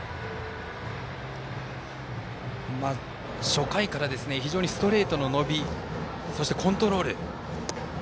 初回から非常にストレートの伸びそして、コントロール。